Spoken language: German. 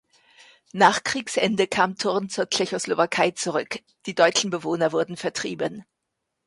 Nach Kriegsende kam Thurn zur Tschechoslowakei zurück; die deutschen Bewohner wurden vertrieben.